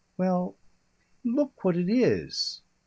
"Well Look what it is."